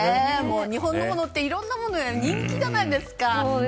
日本のものはいろいろなものが人気じゃないですか。